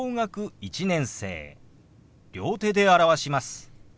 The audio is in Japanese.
両手で表します。